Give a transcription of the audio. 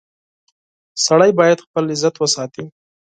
• سړی باید خپل عزت وساتي.